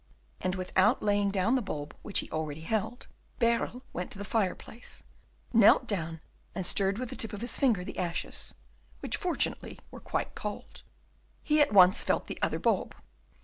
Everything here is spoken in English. And without laying down the bulb which he already held, Baerle went to the fireplace, knelt down and stirred with the tip of his finger the ashes, which fortunately were quite cold. He at once felt the other bulb.